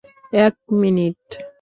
এক মিনিট।